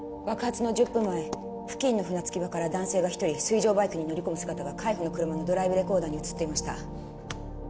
爆発の１０分前付近の船着き場から男性が１人水上バイクに乗り込む姿が海保の車のドライブレコーダーに写っていました